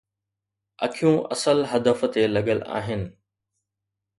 اکيون اصل هدف تي لڳل آهن.